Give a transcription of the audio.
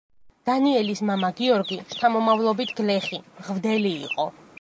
დანიელის მამა გიორგი, შთამომავლობით გლეხი, მღვდელი იყო.